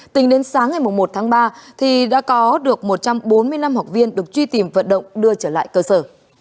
tính đến sáng ngày một tháng ba đã có được một trăm bốn mươi năm học viên được truy tìm vận động đưa trở lại cơ sở